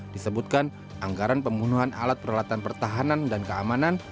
disebutkan anggaran pembunuhan alat peralatan pertahanan dan keamanan